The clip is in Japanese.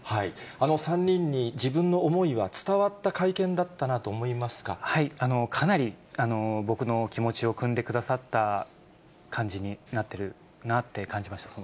あの３人に自分の思いは伝わかなり、僕の気持ちをくんでくださった感じになってるなって感じました。